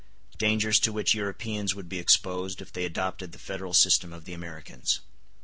—Dangers to which Europeans would be exposed if they adopted the Federal system of the Americans.